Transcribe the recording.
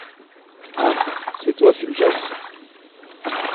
Ah ! c’est toi, Fulgence ?